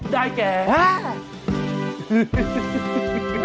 ได้ไกล